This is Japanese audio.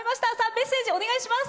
メッセージお願いします。